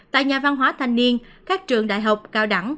tại nhà văn hóa thanh niên các trường đại học cao đẳng